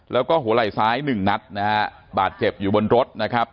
แล้วก็หัวไหล่ซ้ายหนึ่งนัดนะฮะบาดเจ็บอยู่บนรถนะครับ